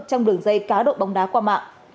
trong đường dây cá độ bóng đá qua mạng